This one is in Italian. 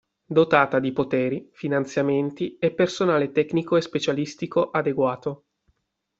Dotata di poteri, finanziamenti e personale tecnico e specialistico adeguato.